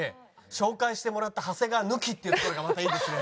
紹介してもらった長谷川抜きっていうところがまたいいですね。